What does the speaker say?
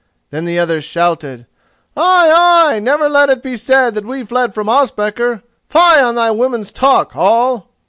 Then the others shouted: "Ay, ay! Never let it be said that we fled from Ospakar—fie on thy woman's talk, Hall!"